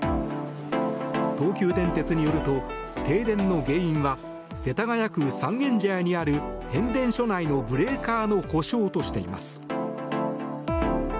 東急電鉄によると、停電の原因は世田谷区三軒茶屋にある変電所内のブレーカーの故障としています。